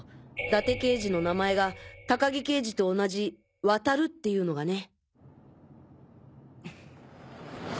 伊達刑事の名前が高木刑事と同じワタルっていうのがね。